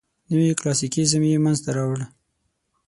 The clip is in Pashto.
نوي کلاسیکیزم یې منځ ته راوړ.